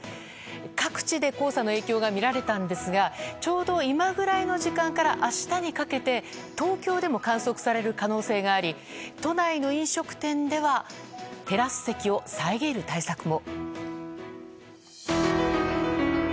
各地で黄砂の影響が見られたんですがちょうど今くらいの時間から明日にかけて東京でも観測される可能性があり都内の飲食店ではテラス席を遮る対策も。